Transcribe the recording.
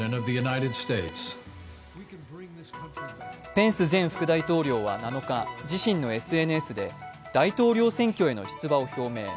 ペンス前副大統領は７日、自身のＳＮＳで大統領選挙への出馬を表明。